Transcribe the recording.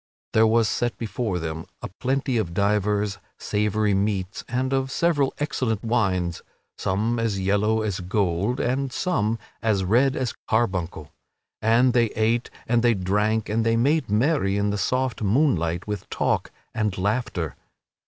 There was set before them a plenty of divers savory meats and of several excellent wines, some as yellow as gold, and some as red as carbuncle, and they ate and they drank and they made merry in the soft moonlight with talk and laughter.